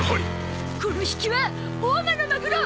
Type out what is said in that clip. この引きは大間のマグロ！